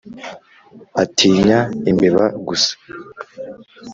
Atinya imbeba gusa